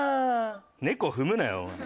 猫踏むなよおい。